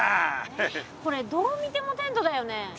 えっこれどう見てもテントだよね。